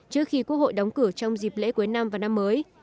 trước khi quốc hội đóng cửa trong dịp lễ cuối năm và năm mới